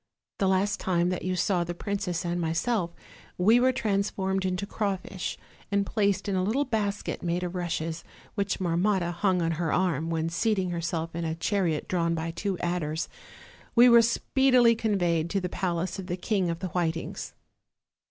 The last time that you saw the prin cess and myself, we were transformed into crawfish, and placed in a little basket made of rushes, which Marmotta hung on her arm, when seating herself in a chariot drawn by two adders, we were speedily conveyed to the palace of the King of the Whitings.